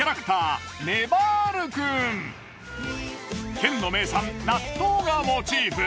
県の名産納豆がモチーフ。